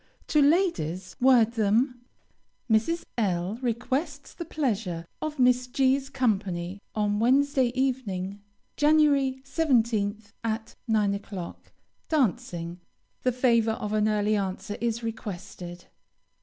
To ladies, word them: Mrs. L requests the pleasure of Miss G 's company on Wednesday evening, Jan. 17th, at 9 o'clock. Dancing. The favor of an early answer is requested.